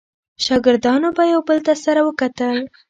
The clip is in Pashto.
شاګردانو به یو بل ته سره وکتل.